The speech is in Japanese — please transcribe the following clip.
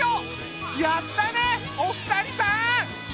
やったねお二人さん！